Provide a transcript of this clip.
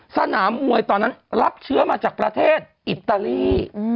สนามมวยตอนนั้นรับเชื้อมาจากประเทศอิตาลี